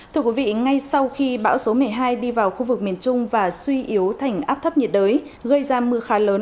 thưa quý vị ngay sau khi bão số một mươi hai đi vào khu vực miền trung và suy yếu thành áp thấp nhiệt đới gây ra mưa khá lớn